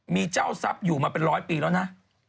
มีเจ้าทรัพย์อยู่มาเป็นร้อยปีแล้วนะ